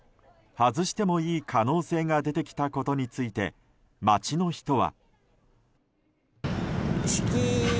外してもいい可能性が出てきたことについて街の人は。